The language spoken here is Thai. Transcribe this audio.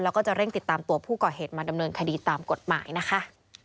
แล้วก็จะเร่งติดตามตัวผู้ก่อเหตุมาดำเนินคดีตามกฎหมายนะคะ